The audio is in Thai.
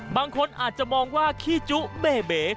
บางคนอาจจะมองว่าขี้จุเบเบ